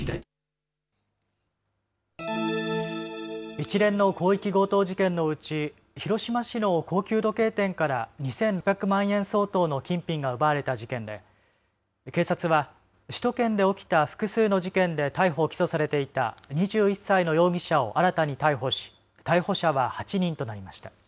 一連の広域強盗事件のうち広島市の高級時計店から２６００万円相当の金品が奪われた事件で警察は首都圏で起きた複数の事件で逮捕、起訴されていた２１歳の容疑者を新たに逮捕し逮捕者は８人となりました。